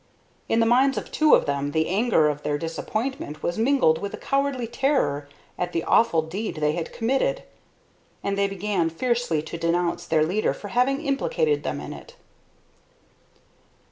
In the minds of two of them the anger of their disappointment was mingled with a cowardly terror at the awful deed they had committed, and they began fiercely to denounce their leader for having implicated them in it.